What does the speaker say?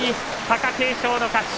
貴景勝の勝ち。